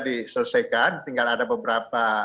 diselesaikan tinggal ada beberapa